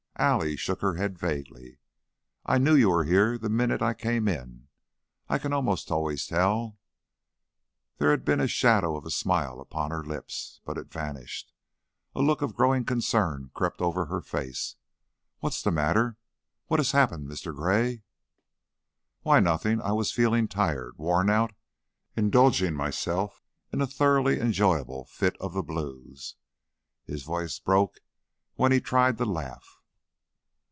Allie shook her head vaguely. "I knew you were here the minute I came in. I can 'most always tell." There had been a shadow of a smile upon her lips, but it vanished; a look of growing concern crept over her face. "What's the matter? Whatever has happened, Mr. Gray?" "Why, nothing. I was feeling tired, worn out. Indulging myself in a thoroughly enjoyable fit of the blues." His voice broke when he tried to laugh.